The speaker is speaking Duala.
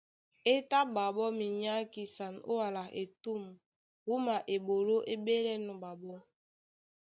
É tá ɓaɓɔ́ minyákisan ó wala etûm wúma eɓoló é ɓélɛ́nɔ̄ ɓaɓɔ́.